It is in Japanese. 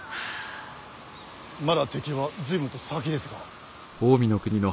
まだ敵は随分と先ですが。